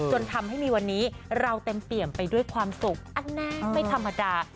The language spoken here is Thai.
จนทำให้มีวันนี้เราเต็มเปี่ยมไปด้วยความสุขอันแน่ไม่ธรรมดา